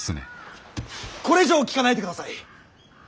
これ以上聞かないでください。